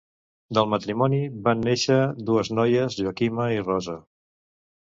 Del matrimoni van néixer dues noies, Joaquima i Rosa.